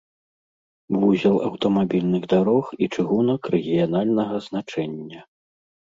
Вузел аўтамабільных дарог і чыгунак рэгіянальнага значэння.